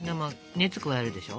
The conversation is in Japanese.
熱を加えるでしょ。